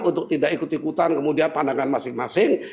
untuk tidak ikut ikutan kemudian pandangan masing masing